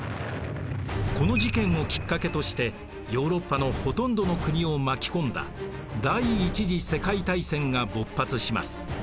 この事件をきっかけとしてヨーロッパのほとんどの国を巻き込んだ第一次世界大戦が勃発します。